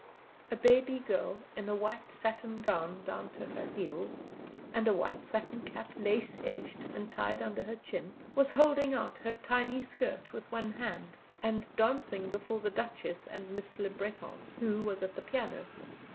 A baby girl in a white satin gown down to her heels, and a white satin cap, lace edged and tied under her chin, was holding out her tiny skirt with one hand and dancing before the Duchess and Miss Le Breton, who was at the piano.